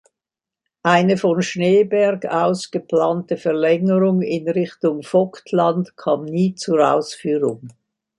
Eine von Schneeberg aus geplante Verlängerung in Richtung Vogtland kam nie zur Ausführung.